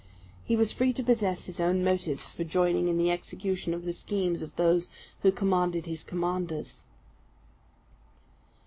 He was free to possess his own motives for joining in the execution of the schemes of those who commanded his commanders.